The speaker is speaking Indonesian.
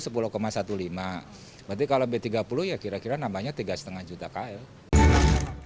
berarti kalau b tiga puluh ya kira kira nambahnya tiga lima juta kilo